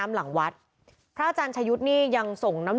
เมื่อวานแบงค์อยู่ไหนเมื่อวาน